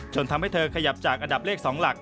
ทำให้เธอขยับจากอันดับเลข๒หลัก